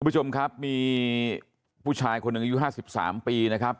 คุณผู้ชมครับมีผู้ชายคนหนึ่งอายุ๕๓ปีนะครับ